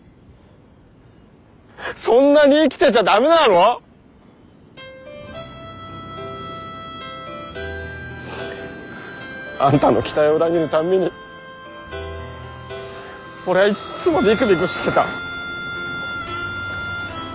そんなに生きてちゃ駄目なの？あんたの期待を裏切るたんびに俺はいっつもビクビクしてた。